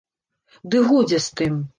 Ды годзе з тым.